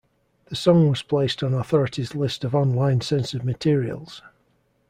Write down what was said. The song was placed on authorities' list of online censored materials.